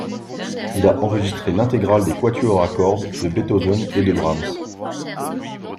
Il a enregistré l'intégrale des quatuors à cordes de Beethoven et de Brahms.